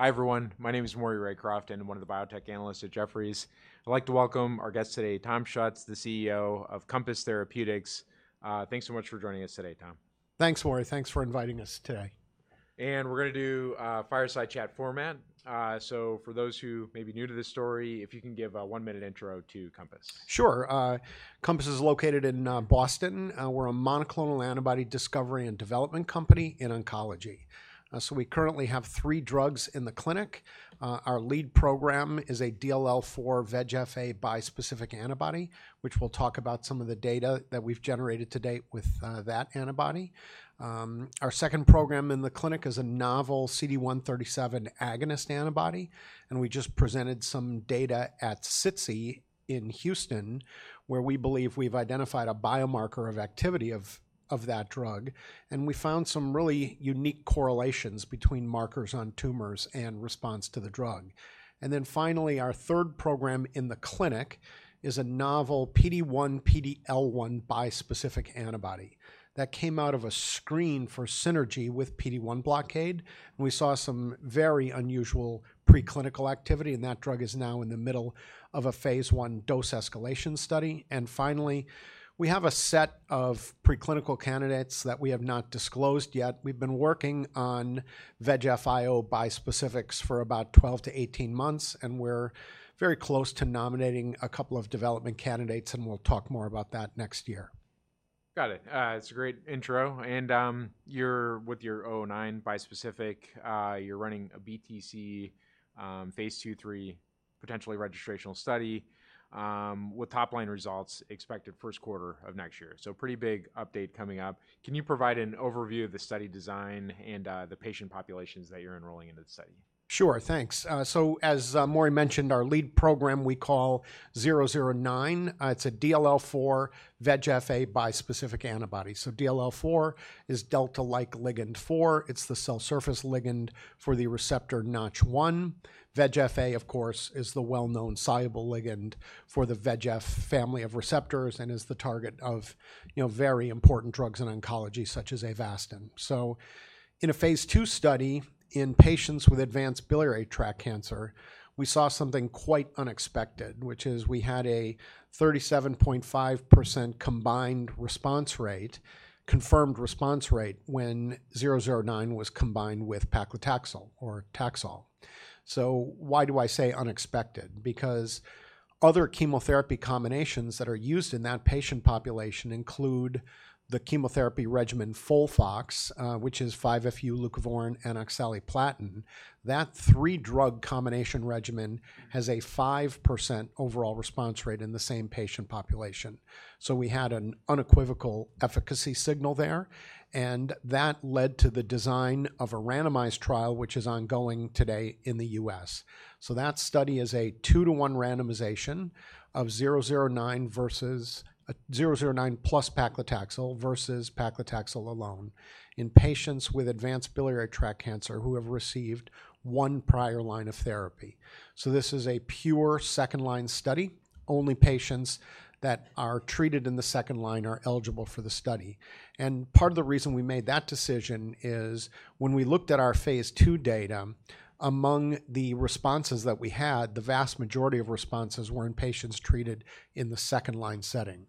Hi everyone. My name is Maury Raycroft, one of the biotech analysts at Jefferies. I'd like to welcome our guest today, Tom Schuetz, the CEO of Compass Therapeutics. Thanks so much for joining us today, Tom. Thanks, Maury. Thanks for inviting us today. We're going to do a fireside chat format. For those who may be new to this story, if you can give a one-minute intro to Compass. Sure. Compass is located in Boston. We're a monoclonal antibody discovery and development company in oncology. So we currently have three drugs in the clinic. Our lead program is a DLL4 VEGF-A bispecific antibody, which we'll talk about some of the data that we've generated to date with that antibody. Our second program in the clinic is a novel CD137 agonist antibody. And we just presented some data at SITC in Houston, where we believe we've identified a biomarker of activity of that drug. And we found some really unique correlations between markers on tumors and response to the drug. And then finally, our third program in the clinic is a novel PD-1/PD-L1 bispecific antibody that came out of a screen for synergy with PD-1 blockade. And we saw some very unusual preclinical activity. And that drug is now in the middle of a phase I dose escalation study. Finally, we have a set of preclinical candidates that we have not disclosed yet. We've been working on VEGF IO bispecifics for about 12 to 18 months. We're very close to nominating a couple of development candidates. We'll talk more about that next year. Got it. It's a great intro, and you're with your 009 bispecific. You're running a BTC phase II, III potentially registrational study with top line results expected first quarter of next year, so pretty big update coming up. Can you provide an overview of the study design and the patient populations that you're enrolling into the study? Sure. Thanks. So as Maury mentioned, our lead program we call 009. It's a DLL4 VEGF-A bispecific antibody. So DLL4 is delta-like ligand four. It's the cell surface ligand for the receptor Notch 1. VEGF-A, of course, is the well-known soluble ligand for the VEGF family of receptors and is the target of very important drugs in oncology such as Avastin. So in a phase II study in patients with advanced biliary tract cancer, we saw something quite unexpected, which is we had a 37.5% combined response rate, confirmed response rate when 009 was combined with paclitaxel or Taxol. So why do I say unexpected? Because other chemotherapy combinations that are used in that patient population include the chemotherapy regimen FOLFOX, which is 5-FU, leucovorin, and oxaliplatin. That three-drug combination regimen has a 5% overall response rate in the same patient population. So we had an unequivocal efficacy signal there. That led to the design of a randomized trial, which is ongoing today in the U.S. That study is a two-to-one randomization of 009 versus 009 plus paclitaxel versus paclitaxel alone in patients with advanced biliary tract cancer who have received one prior line of therapy. This is a pure second line study. Only patients that are treated in the second line are eligible for the study. Part of the reason we made that decision is when we looked at our phase II data, among the responses that we had, the vast majority of responses were in patients treated in the second line setting.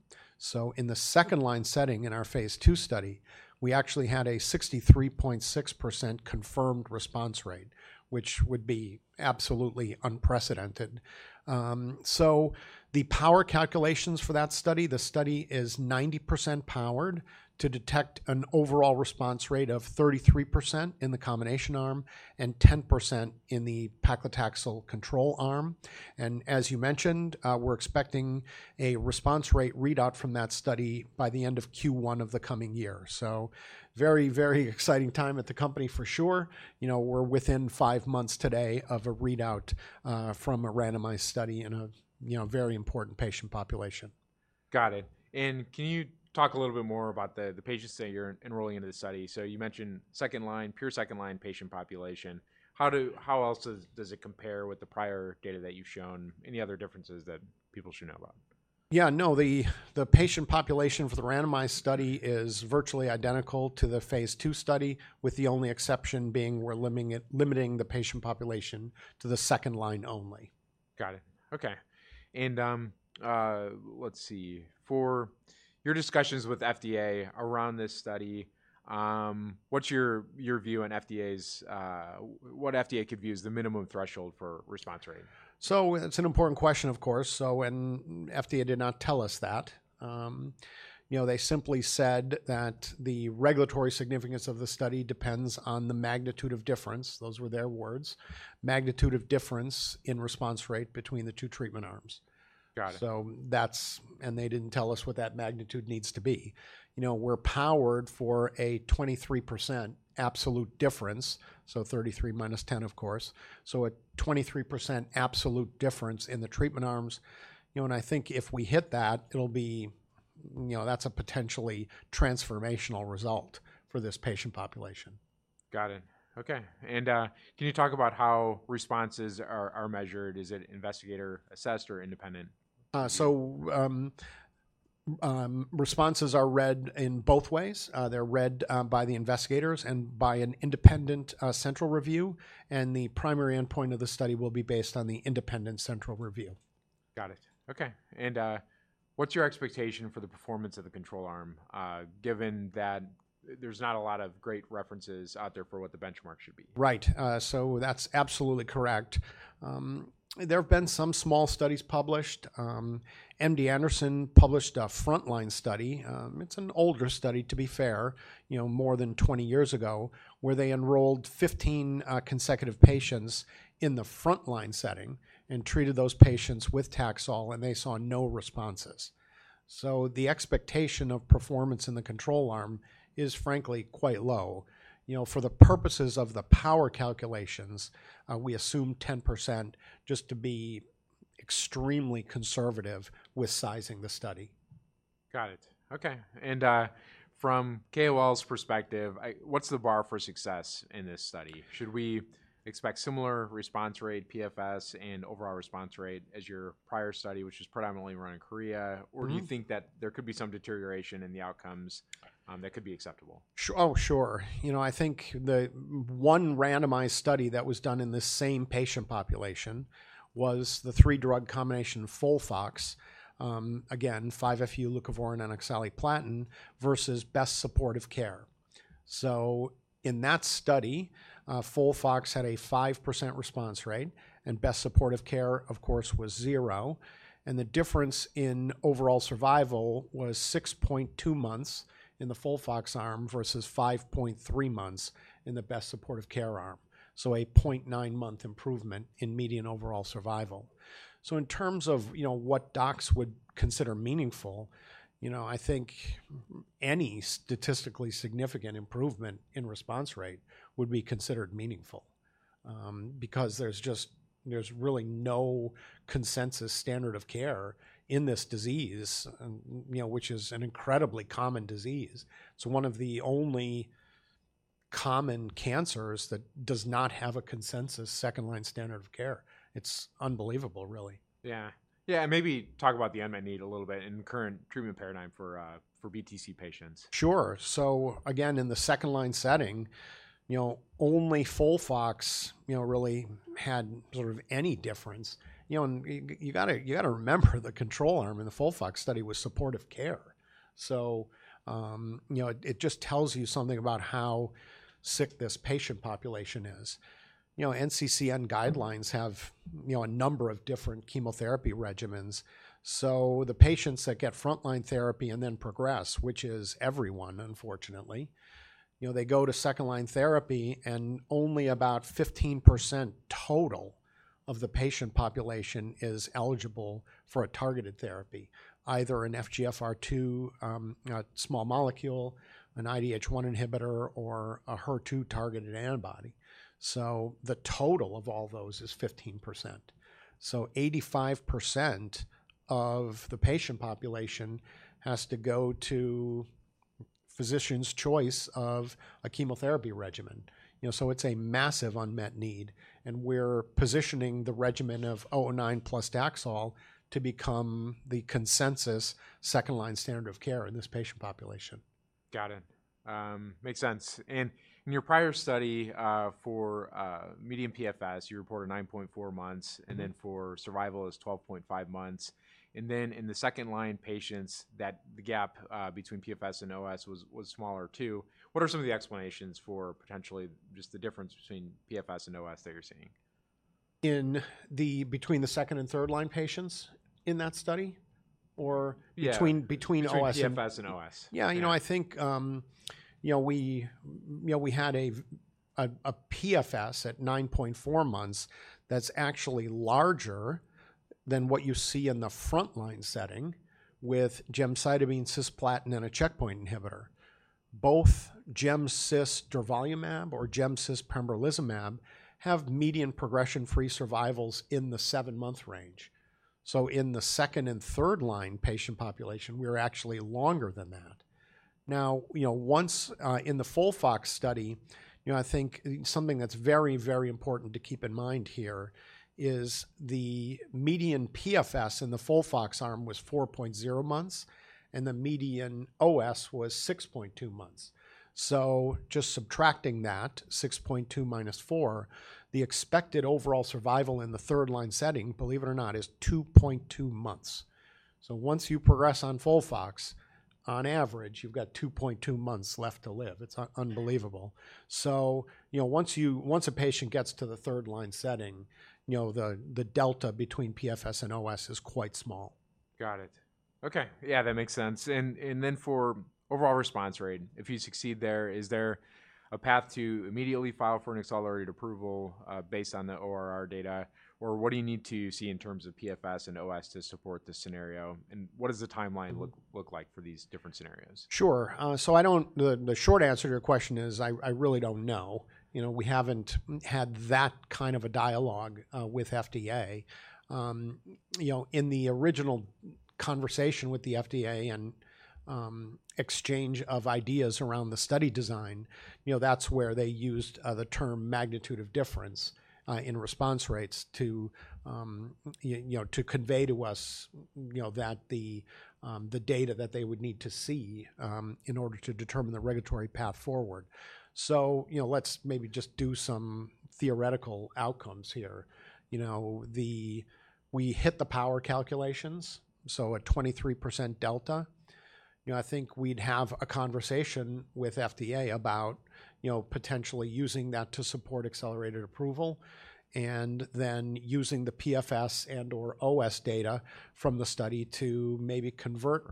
In the second line setting in our phase II study, we actually had a 63.6% confirmed response rate, which would be absolutely unprecedented. So the power calculations for that study, the study is 90% powered to detect an overall response rate of 33% in the combination arm and 10% in the paclitaxel control arm. And as you mentioned, we're expecting a response rate readout from that study by the end of Q1 of the coming year. So very, very exciting time at the company for sure. We're within five months today of a readout from a randomized study in a very important patient population. Got it. And can you talk a little bit more about the patients that you're enrolling into the study? So you mentioned second line, pure second line patient population. How else does it compare with the prior data that you've shown? Any other differences that people should know about? Yeah, no, the patient population for the randomized study is virtually identical to the phase II study, with the only exception being we're limiting the patient population to the second-line only. Got it. Okay, and let's see for your discussions with FDA around this study, what's your view on what FDA could view as the minimum threshold for response rate? So it's an important question, of course. So when FDA did not tell us that, they simply said that the regulatory significance of the study depends on the magnitude of difference. Those were their words, magnitude of difference in response rate between the two treatment arms. Got it. They didn't tell us what that magnitude needs to be. We're powered for a 23% absolute difference, so 33 minus 10, of course. A 23% absolute difference in the treatment arms. I think if we hit that, it'll be a potentially transformational result for this patient population. Got it. Okay. And can you talk about how responses are measured? Is it investigator assessed or independent? Responses are read in both ways. They're read by the investigators and by an independent central review. The primary endpoint of the study will be based on the independent central review. Got it. Okay. And what's your expectation for the performance of the control arm, given that there's not a lot of great references out there for what the benchmark should be? Right. So that's absolutely correct. There have been some small studies published. MD Anderson published a frontline study. It's an older study, to be fair, more than 20 years ago, where they enrolled 15 consecutive patients in the frontline setting and treated those patients with Taxol, and they saw no responses. So the expectation of performance in the control arm is frankly quite low. For the purposes of the power calculations, we assume 10% just to be extremely conservative with sizing the study. Got it. Okay, and from K. Walls' perspective, what's the bar for success in this study? Should we expect similar response rate, PFS, and overall response rate as your prior study, which is predominantly run in Korea? Or do you think that there could be some deterioration in the outcomes that could be acceptable? Oh, sure. I think the one randomized study that was done in the same patient population was the three-drug combination FOLFOX, again, 5-FU, leucovorin, and oxaliplatin versus best supportive care. So in that study, FOLFOX had a 5% response rate. And best supportive care, of course, was zero. And the difference in overall survival was 6.2 months in the FOLFOX arm versus 5.3 months in the best supportive care arm. So a 0.9-month improvement in median overall survival. So in terms of what docs would consider meaningful, I think any statistically significant improvement in response rate would be considered meaningful because there's just really no consensus standard of care in this disease, which is an incredibly common disease. It's one of the only common cancers that does not have a consensus second line standard of care. It's unbelievable, really. Yeah. Yeah. And maybe talk about the unmet need a little bit in current treatment paradigm for BTC patients. Sure. So again, in the second line setting, only FOLFOX really had sort of any difference. You got to remember the control arm in the FOLFOX study was supportive care. So it just tells you something about how sick this patient population is. NCCN guidelines have a number of different chemotherapy regimens. So the patients that get frontline therapy and then progress, which is everyone, unfortunately, they go to second line therapy. And only about 15% total of the patient population is eligible for a targeted therapy, either an FGFR2 small molecule, an IDH1 inhibitor, or a HER2 targeted antibody. So the total of all those is 15%. So 85% of the patient population has to go to physician's choice of a chemotherapy regimen. So it's a massive unmet need. We're positioning the regimen of 009 plus Taxol to become the consensus second-line standard of care in this patient population. Got it. Makes sense. And in your prior study for median PFS, you reported 9.4 months. And then for survival is 12.5 months. And then in the second line patients, that the gap between PFS and OS was smaller too. What are some of the explanations for potentially just the difference between PFS and OS that you're seeing? In between the second- and third-line patients in that study or between OS and? Yeah, between PFS and OS. Yeah. You know, I think we had a PFS at 9.4 months that's actually larger than what you see in the frontline setting with gemcitabine, cisplatin, and a checkpoint inhibitor. Both GemCis durvalumab or GemCis pembrolizumab have median progression-free survivals in the seven-month range. So in the second and third line patient population, we're actually longer than that. Now, one thing in the FOLFOX study, I think something that's very, very important to keep in mind here is the median PFS in the FOLFOX arm was 4.0 months. And the median OS was 6.2 months. So just subtracting that, 6.2 minus 4, the expected overall survival in the third line setting, believe it or not, is 2.2 months. So once you progress on FOLFOX, on average, you've got 2.2 months left to live. It's unbelievable. So once a patient gets to the third line setting, the delta between PFS and OS is quite small. Got it. Okay. Yeah, that makes sense. And then for overall response rate, if you succeed there, is there a path to immediately file for an accelerated approval based on the ORR data? Or what do you need to see in terms of PFS and OS to support the scenario? And what does the timeline look like for these different scenarios? Sure. The short answer to your question is I really don't know. We haven't had that kind of a dialogue with FDA. In the original conversation with the FDA and exchange of ideas around the study design, that's where they used the term magnitude of difference in response rates to convey to us that the data that they would need to see in order to determine the regulatory path forward. Let's maybe just do some theoretical outcomes here. We hit the power calculations: a 23% delta. I think we'd have a conversation with FDA about potentially using that to support accelerated approval and then using the PFS and/or OS data from the study to maybe convert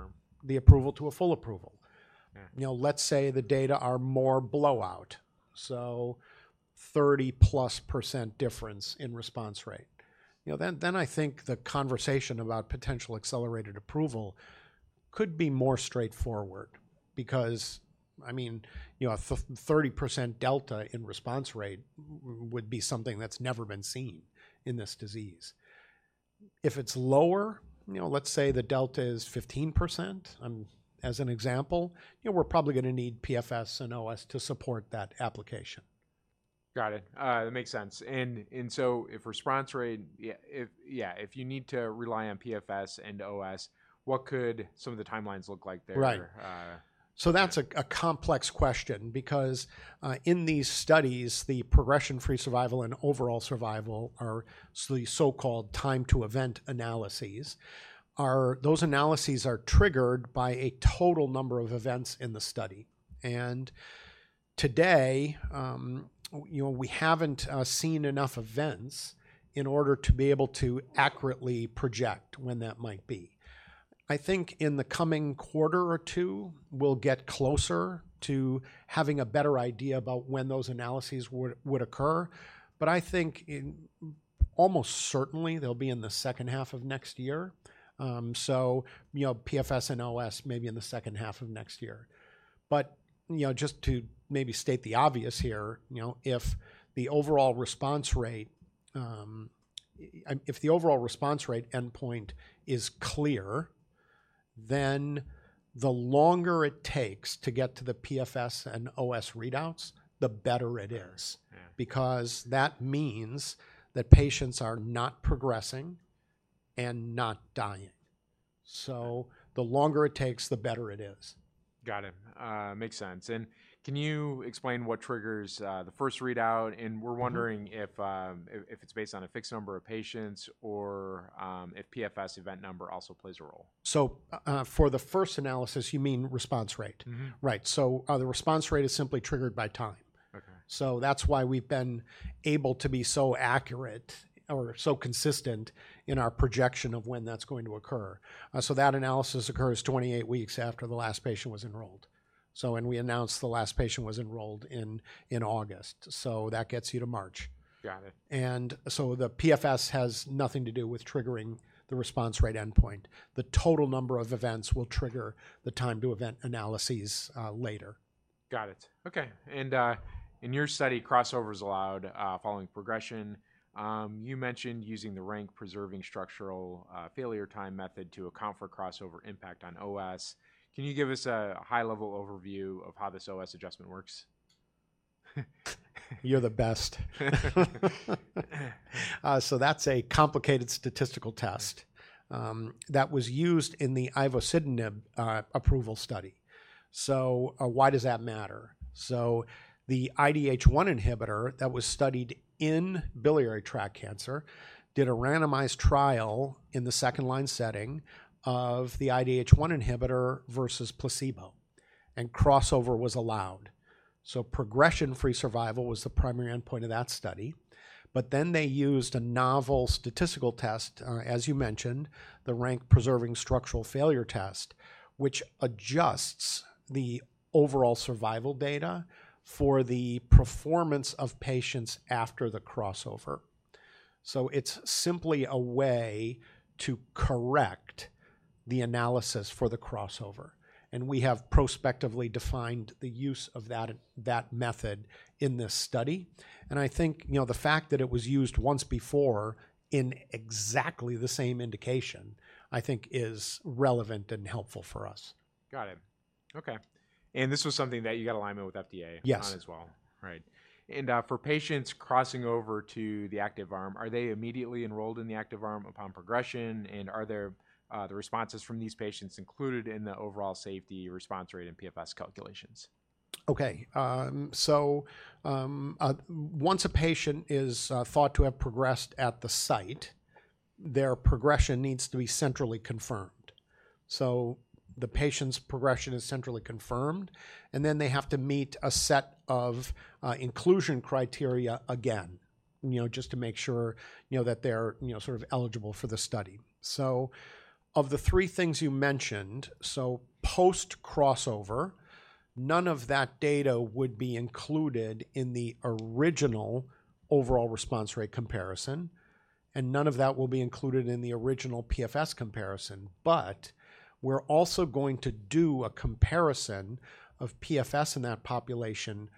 the approval to a full approval. Let's say the data are more of a blowout: 30-plus percent difference in response rate. Then I think the conversation about potential accelerated approval could be more straightforward because, I mean, a 30% delta in response rate would be something that's never been seen in this disease. If it's lower, let's say the delta is 15%, as an example, we're probably going to need PFS and OS to support that application. Got it. That makes sense. And so if response rate, yeah, if you need to rely on PFS and OS, what could some of the timelines look like there? Right. So that's a complex question because in these studies, the progression-free survival and overall survival are the so-called time to event analyses. Those analyses are triggered by a total number of events in the study. And today, we haven't seen enough events in order to be able to accurately project when that might be. I think in the coming quarter or two, we'll get closer to having a better idea about when those analyses would occur. But I think almost certainly they'll be in the second half of next year. So PFS and OS maybe in the second half of next year. But just to maybe state the obvious here, if the overall response rate, if the overall response rate endpoint is clear, then the longer it takes to get to the PFS and OS readouts, the better it is because that means that patients are not progressing and not dying. So the longer it takes, the better it is. Got it. Makes sense. And can you explain what triggers the first readout? And we're wondering if it's based on a fixed number of patients or if PFS event number also plays a role. So for the first analysis, you mean response rate, right? So the response rate is simply triggered by time. So that's why we've been able to be so accurate or so consistent in our projection of when that's going to occur. So that analysis occurs 28 weeks after the last patient was enrolled. And we announced the last patient was enrolled in August. So that gets you to March. Got it. And so the PFS has nothing to do with triggering the response rate endpoint. The total number of events will trigger the time to event analyses later. Got it. Okay, and in your study, crossovers allowed following progression, you mentioned using the Rank Preserving Structural Failure Time method to account for crossover impact on OS. Can you give us a high-level overview of how this OS adjustment works? You're the best. So that's a complicated statistical test that was used in the ivosidenib approval study. So why does that matter? So the IDH1 inhibitor that was studied in biliary tract cancer did a randomized trial in the second-line setting of the IDH1 inhibitor versus placebo. And crossover was allowed. So progression-free survival was the primary endpoint of that study. But then they used a novel statistical test, as you mentioned, the rank-preserving structural failure time test, which adjusts the overall survival data for the performance of patients after the crossover. So it's simply a way to correct the analysis for the crossover. And we have prospectively defined the use of that method in this study. And I think the fact that it was used once before in exactly the same indication, I think, is relevant and helpful for us. Got it. Okay. And this was something that you got alignment with FDA on as well. Yes. Right. And for patients crossing over to the active arm, are they immediately enrolled in the active arm upon progression? And are the responses from these patients included in the overall safety response rate and PFS calculations? Okay. Once a patient is thought to have progressed at the site, their progression needs to be centrally confirmed. So the patient's progression is centrally confirmed. And then they have to meet a set of inclusion criteria again just to make sure that they're sort of eligible for the study. Of the three things you mentioned, post crossover, none of that data would be included in the original overall response rate comparison. And none of that will be included in the original PFS comparison. But we're also going to do a comparison of PFS in that population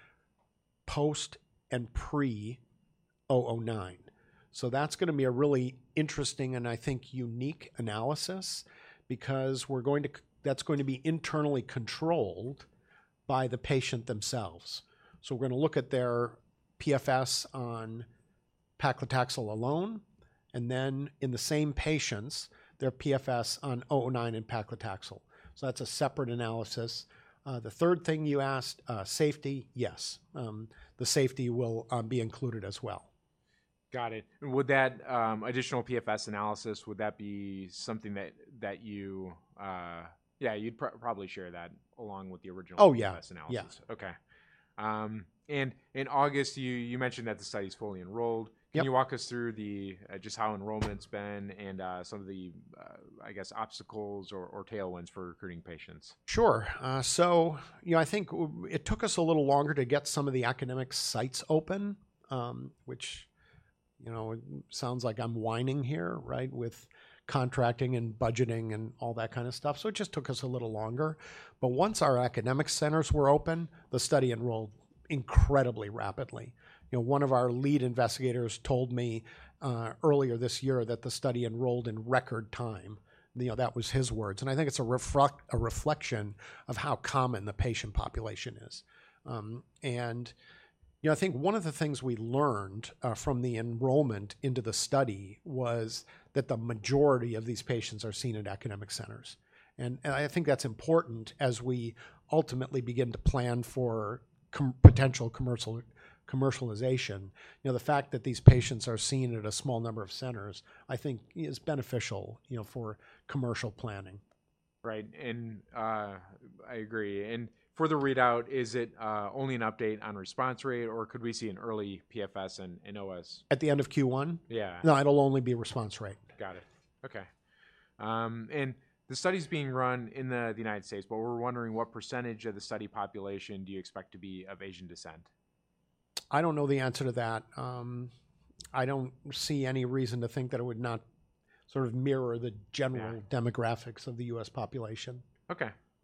post and pre 009. So that's going to be a really interesting and I think unique analysis because that's going to be internally controlled by the patient themselves. So we're going to look at their PFS on paclitaxel alone. And then in the same patients, their PFS on 009 and paclitaxel. So that's a separate analysis. The third thing you asked, safety, yes. The safety will be included as well. Got it. And would that additional PFS analysis, would that be something that you'd probably share that along with the original PFS analysis? Oh, yeah. Okay, and in August, you mentioned that the study is fully enrolled. Can you walk us through just how enrollment's been and some of the, I guess, obstacles or tailwinds for recruiting patients? Sure. So I think it took us a little longer to get some of the academic sites open, which sounds like I'm whining here, right, with contracting and budgeting and all that kind of stuff. So it just took us a little longer. But once our academic centers were open, the study enrolled incredibly rapidly. One of our lead investigators told me earlier this year that the study enrolled in record time. That was his words. And I think it's a reflection of how common the patient population is. And I think one of the things we learned from the enrollment into the study was that the majority of these patients are seen at academic centers. And I think that's important as we ultimately begin to plan for potential commercialization. The fact that these patients are seen at a small number of centers, I think, is beneficial for commercial planning. Right. And I agree. And for the readout, is it only an update on response rate? Or could we see an early PFS and OS? At the end of Q1? Yeah. No, it'll only be response rate. Got it. Okay. And the study's being run in the United States. But we're wondering what percentage of the study population do you expect to be of Asian descent? I don't know the answer to that. I don't see any reason to think that it would not sort of mirror the general demographics of the U.S. population.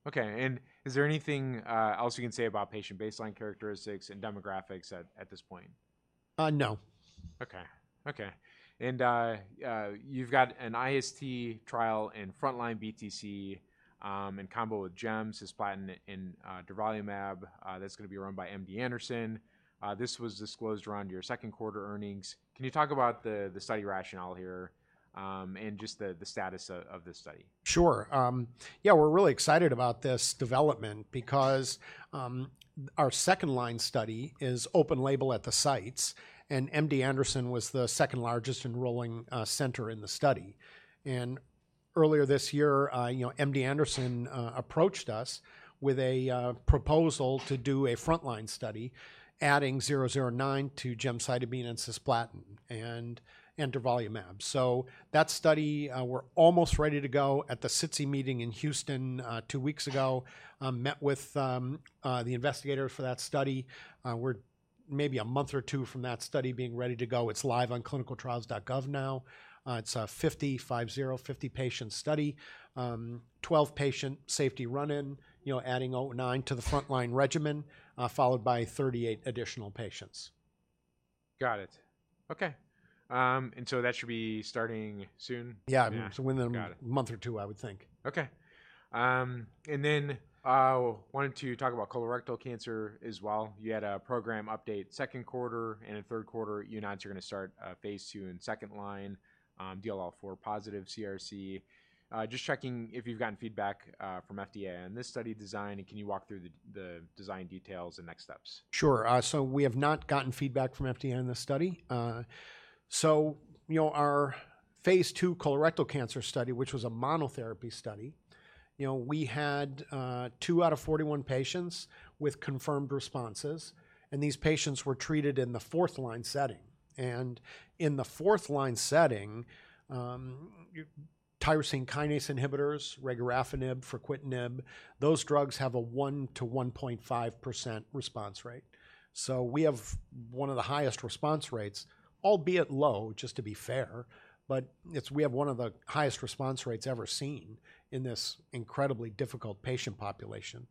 Okay. And is there anything else you can say about patient baseline characteristics and demographics at this point? No. Okay. And you've got an IST trial in frontline BTC in combo with GemCis, cisplatin and durvalumab that's going to be run by MD Anderson. This was disclosed around your second quarter earnings. Can you talk about the study rationale here and just the status of this study? Sure. Yeah, we're really excited about this development because our second line study is open label at the sites. MD Anderson was the second largest enrolling center in the study. Earlier this year, MD Anderson approached us with a proposal to do a frontline study adding 009 to gemcitabine and cisplatin and durvalumab. That study, we're almost ready to go. At the SITC meeting in Houston two weeks ago, I met with the investigators for that study. We're maybe a month or two from that study being ready to go. It's live on clinicaltrials.gov now. It's a 50/50, 50-patient study, 12-patient safety run-in, adding 009 to the frontline regimen, followed by 38 additional patients. Got it. Okay. And so that should be starting soon? Yeah, so within a month or two, I would think. Okay, and then I wanted to talk about colorectal cancer as well. You had a program update in second quarter, and in third quarter, you announced you're going to start phase II in second-line DLL4-positive CRC. Just checking if you've gotten feedback from FDA on this study design? And can you walk through the design details and next steps? Sure. So we have not gotten feedback from FDA on this study. So our phase II colorectal cancer study, which was a monotherapy study, we had two out of 41 patients with confirmed responses. And these patients were treated in the fourth line setting. And in the fourth line setting, tyrosine kinase inhibitors, regorafenib, fruquintinib, those drugs have a 1-1.5% response rate. So we have one of the highest response rates, albeit low, just to be fair. But we have one of the highest response rates ever seen in this incredibly difficult patient population.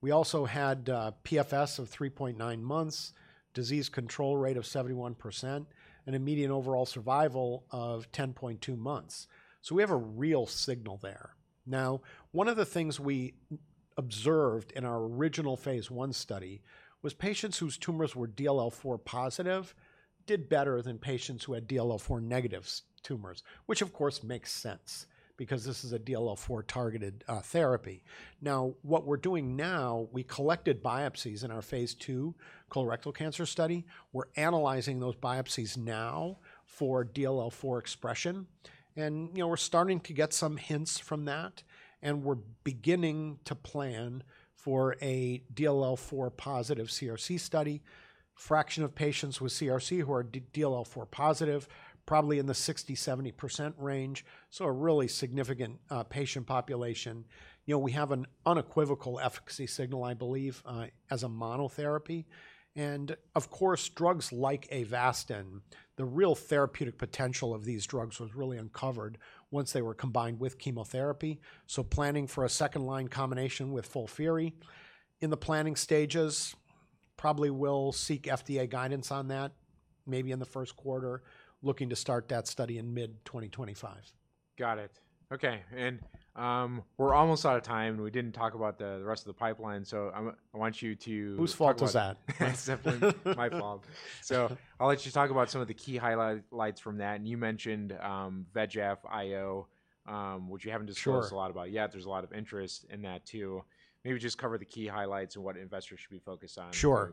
We also had PFS of 3.9 months, disease control rate of 71%, and a median overall survival of 10.2 months. So we have a real signal there. Now, one of the things we observed in our original phase I study was patients whose tumors were DLL4 positive did better than patients who had DLL4 negative tumors, which, of course, makes sense because this is a DLL4 targeted therapy. Now, what we're doing now, we collected biopsies in our phase II colorectal cancer study. We're analyzing those biopsies now for DLL4 expression. And we're starting to get some hints from that. And we're beginning to plan for a DLL4 positive CRC study, fraction of patients with CRC who are DLL4 positive, probably in the 60%-70% range. So a really significant patient population. We have an unequivocal efficacy signal, I believe, as a monotherapy. And of course, drugs like Avastin, the real therapeutic potential of these drugs was really uncovered once they were combined with chemotherapy. So, planning for a second line combination with FOLFIRI in the planning stages. Probably we'll seek FDA guidance on that, maybe in the first quarter, looking to start that study in mid-2025. Got it. Okay. And we're almost out of time. And we didn't talk about the rest of the pipeline. So I want you to. Whose fault was that? That's definitely my fault. So I'll let you talk about some of the key highlights from that. And you mentioned VEGF, IO, which you haven't discussed a lot about yet. There's a lot of interest in that too. Maybe just cover the key highlights and what investors should be focused on going forward. Sure.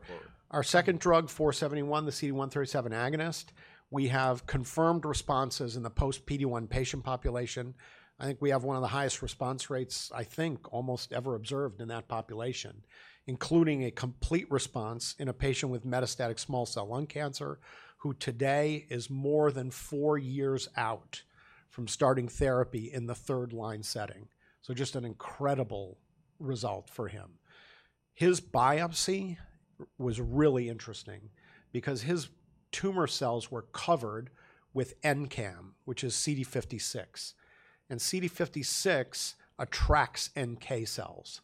Our second drug, 471, the CD137 agonist, we have confirmed responses in the post PD-1 patient population. I think we have one of the highest response rates, I think, almost ever observed in that population, including a complete response in a patient with metastatic small cell lung cancer who today is more than four years out from starting therapy in the third line setting. So just an incredible result for him. His biopsy was really interesting because his tumor cells were covered with NCAM, which is CD56. And CD56 attracts NK cells.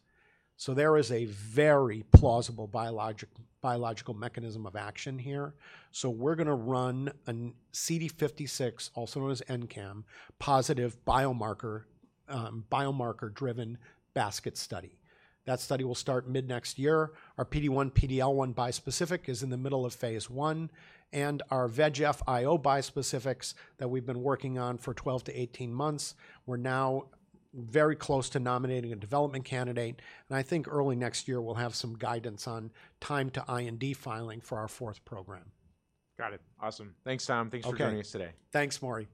So there is a very plausible biological mechanism of action here. So we're going to run a CD56, also known as NCAM, positive biomarker-driven basket study. That study will start mid-next year. Our PD-1, PD-L1 bispecific is in the middle of phase I. And our VEGF IO bispecifics that we've been working on for 12-18 months, we're now very close to nominating a development candidate. And I think early next year, we'll have some guidance on time to IND filing for our fourth program. Got it. Awesome. Thanks, Tom. Thanks for joining us today. Thanks, Maury.